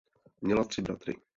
Měla tři bratry.